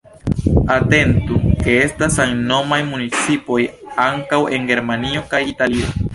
Atentu, ke estas samnomaj municipoj ankaŭ en Germanio kaj Italio.